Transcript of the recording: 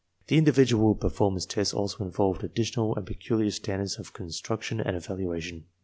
The individual per formance tests also involved additional and peculiar standards of construction and evaluation.